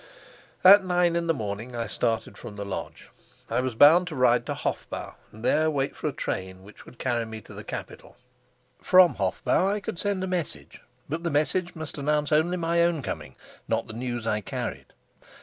At nine in the morning I started from the lodge. I was bound to ride to Hofbau and there wait for a train which would carry me to the capital. From Hofbau I could send a message, but the message must announce only my own coming, not the news I carried.